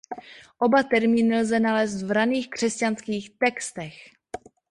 Oba termíny lze nalézt v raných křesťanských textech.